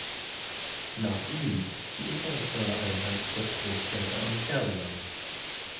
Nach ihm ist die internationale Einheit der Stromstärke Ampere benannt.